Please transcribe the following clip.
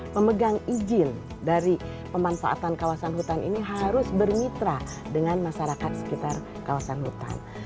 memegang izin dari pemanfaatan kawasan hutan ini harus bermitra dengan masyarakat sekitar kawasan hutan